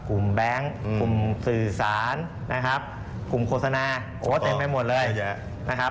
กลุ่มแบงค์กลุ่มสื่อสารกลุ่มโฆษณาเต็มไปหมดเลย